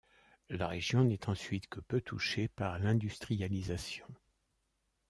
La région n'est ensuite que peu touchée par l'industrialisation.